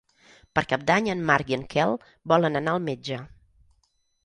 Per Cap d'Any en Marc i en Quel volen anar al metge.